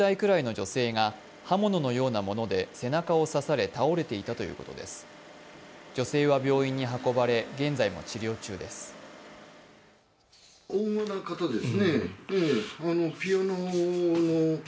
女性は病院に運ばれ現在も治療中です。